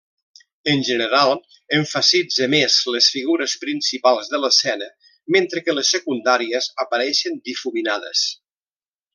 En general, emfasitza més les figures principals de l'escena, mentre que les secundàries apareixen difuminades.